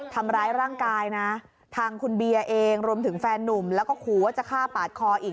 ทำร้ายร่างกายนะทางคุณเบียร์เองรวมถึงแฟนนุ่มแล้วก็ขู่ว่าจะฆ่าปาดคออีก